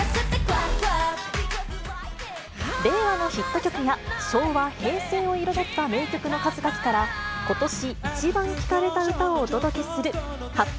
令和のヒット曲が昭和、平成を彩った名曲の数々から、ことし一番聴かれた歌をお届けする、発表！